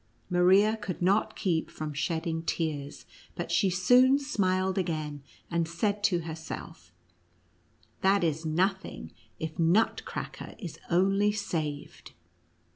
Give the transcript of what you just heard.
Maria could not keep from shedding tears, but she soon smiled again, and said to herself: a That is nothing, if Nutcracker is only saved."